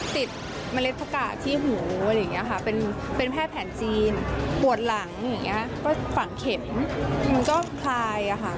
ติดเมล็ดผักกาดที่หูเป็นแพร่แผนจีนปวดหลังฝังเข็มมันก็คลาย